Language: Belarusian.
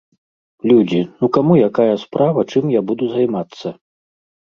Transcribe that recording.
Людзі, ну каму якая справа, чым я буду займацца?